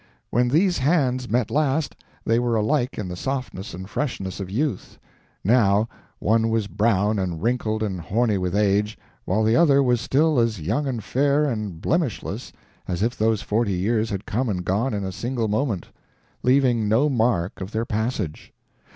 When these hands had met last, they were alike in the softness and freshness of youth; now, one was brown and wrinkled and horny with age, while the other was still as young and fair and blemishless as if those forty years had come and gone in a single moment, leaving no mark of their passage.